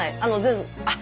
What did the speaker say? あっ